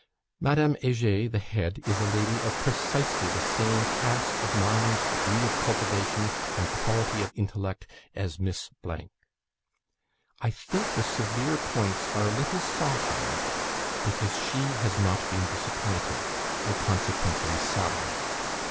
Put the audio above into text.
Madame Heger, the head, is a lady of precisely the same cast of mind, degree of cultivation, and quality of intellect as Miss . I think the severe points are a little softened, because she has not been disappointed, and consequently soured.